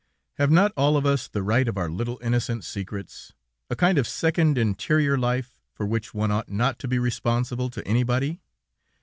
Have not all of us the right of our little, innocent secrets, a kind of second, interior life, for which one ought not to be responsible to anybody?